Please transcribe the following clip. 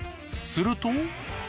すると。